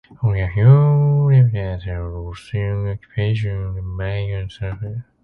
Only a few remnants of the Russian occupation remain on the surface.